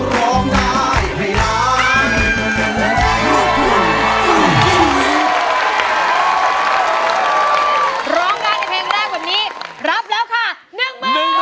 ร้องนะในเพลงแรกวันนี้รับแล้วค่ะ๑มือ